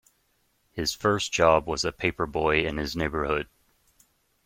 His first job was as a paperboy, in his neighborhood.